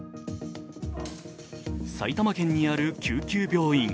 埼玉県にある救急病院。